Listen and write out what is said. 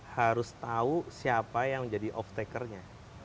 harus tahu siapa yang jadi off taker nya